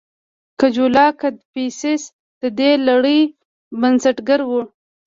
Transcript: کجولا کدفیسس د دې لړۍ بنسټګر و